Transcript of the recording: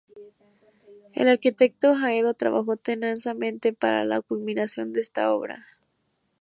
El arquitecto Haedo trabajó tenazmente para la culminación de esta obra.